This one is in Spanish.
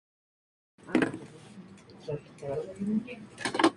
Ecco, principal personaje de estos juegos, fue creado por E. Ettore "Ed" Annunziata.